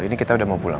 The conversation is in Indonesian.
ini kita udah mau pulang